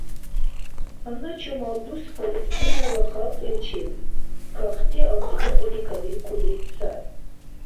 Гьанна чумал дус Палестинала халкьличил кахти анцӀбукьуни кадиркули сари.